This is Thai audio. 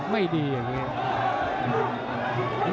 ไม่ดีอย่างนี้